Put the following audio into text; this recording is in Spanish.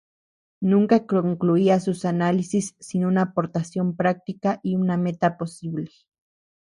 Nunca concluía sus análisis sin una aportación práctica y una meta posible.